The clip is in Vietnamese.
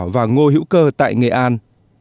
và ngô hữu cơ tại nghệ an